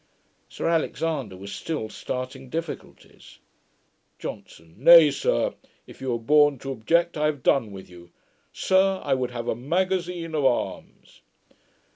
Sir Alexander was still starting difficulties. JOHNSON. 'Nay, sir; if you are born to object, I have done with you. Sir, I would have a magazine of arms.'